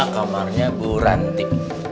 lima kamarnya bu ranti